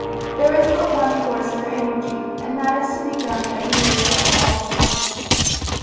There is but one Force or Energy, and that is to be found everywhere at all times.